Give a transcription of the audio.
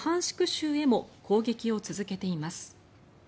州へも攻撃を続けています。